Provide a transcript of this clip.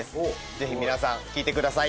ぜひ皆さん聴いてください。